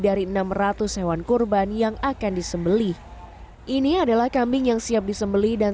dari enam ratus hewan kurban yang akan disembelih ini adalah kambing yang siap disembeli dan